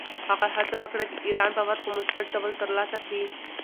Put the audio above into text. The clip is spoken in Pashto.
هغه هڅه وکړه، د ایران باور په مثبت ډول ترلاسه کړي.